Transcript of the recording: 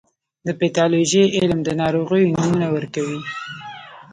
د پیتالوژي علم د ناروغیو نومونه ورکوي.